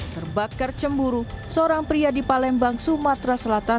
terbakar cemburu seorang pria di palembang sumatera selatan